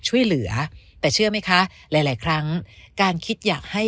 ช่วยเหลือแต่เชื่อไหมคะหลายหลายครั้งการคิดอยากให้